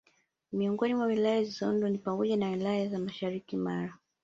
Miongoni mwa Wilaya zilizounda ni pamoja na wilaya za mashariki Mara